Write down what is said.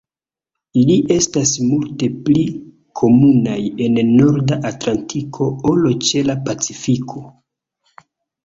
Ili estas multe pli komunaj en norda Atlantiko ol ĉe la Pacifiko.